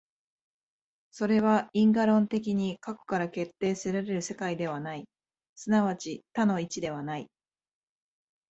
それは因果論的に過去から決定せられる世界ではない、即ち多の一ではない。